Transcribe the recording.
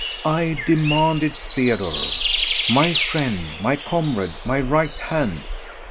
I demanded Theodore! My friend, my comrade, my right hand!